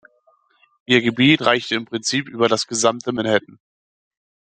Ihr Gebiet reichte im Prinzip über das gesamte Manhattan.